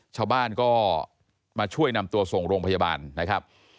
ชาวบ้านก็มาช่วยนำตัวส่งโรงพยาบาลนะครับ